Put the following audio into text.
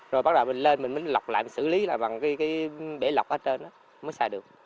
rồi bắt đầu mình lên mình lọc lại xử lý là bằng cái bể lọc ở trên mới xài được